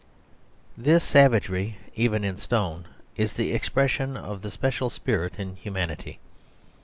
..... This savagery even in stone is the expression of the special spirit in humanity.